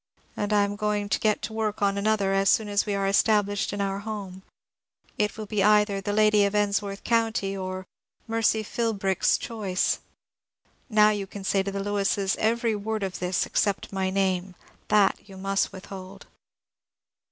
And I am going to get to work on another as soon as we are established in our home. It will be either " The Lady of Ensworth County " or " Mercy Philbrick'e Choice." 430 MONCURE DANIEL CONWAY Now you can say to the Lewises eveiy woid of this except my name. That yon must withhold.